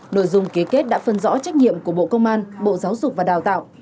nội dung ký kết đã phân rõ trách nhiệm của bộ công an bộ giáo dục và đào tạo